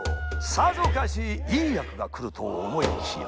さぞかしいい役がくると思いきや。